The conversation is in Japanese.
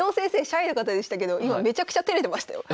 シャイな方でしたけど今めちゃくちゃてれてましたよ。